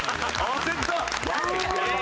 焦った！